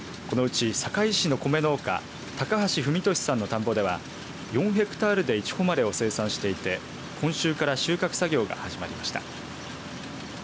このうち坂井市の米農家高橋文利さんの田んぼでは４ヘクタールでいちほまれを生産していて、今週から収穫作業が始まりました。。